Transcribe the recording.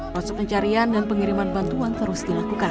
proses pencarian dan pengiriman bantuan terus dilakukan